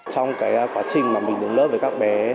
trong quá trình mình đứng lớp với các bé